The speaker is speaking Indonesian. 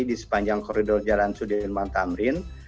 di sepanjang koridor jalan sudirman tamrin